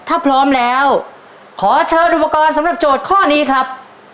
ถ้าพร้อมแล้วขอเชิญอุปกรณ์สำหรับโจทย์ข้อนี้ครับ